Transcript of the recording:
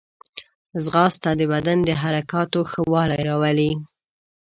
ځغاسته د بدن د حرکاتو ښه والی راولي